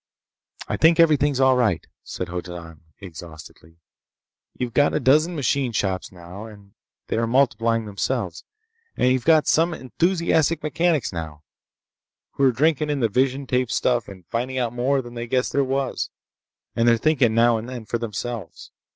"I think everything's all right," said Hoddan exhaustedly. "You've got a dozen machine shops and they are multiplying themselves, and you have got some enthusiastic mechanics, now, who're drinking in the vision tape stuff and finding out more than they guessed there was. And they're thinking, now and then, for themselves.